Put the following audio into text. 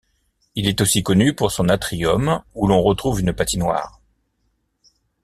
Il est aussi connu pour son atrium où l'on retrouve une patinoire.